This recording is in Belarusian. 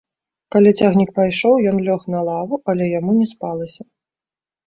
Калі цягнік пайшоў, ён лёг на лаву, але яму не спалася.